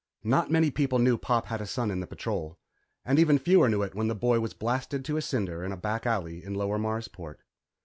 Not many people knew Pop had a son in the Patrol, and even fewer knew it when the boy was blasted to a cinder in a back alley in Lower Marsport.